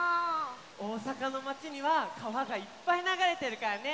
おおさかのまちにはかわがいっぱいながれてるからね！